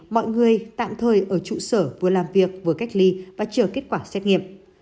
mọi người tạm thời ở trụ sở vừa làm việc vừa cách ly và chờ kết quả xét nghiệm